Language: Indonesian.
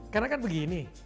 karena kan begini